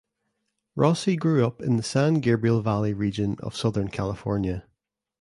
Rossi grew up in the San Gabriel Valley region of Southern California.